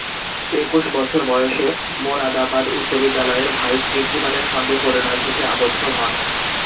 একুশ বছর বয়সে মোরাদাবাদ উচ্চ বিদ্যালয়ের ভাইস-প্রিন্সিপ্যালের সঙ্গে পরিণয়সূত্রে আবদ্ধ হন।